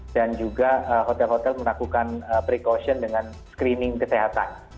dan juga hotel hotel melakukan precaution dengan screening kesehatan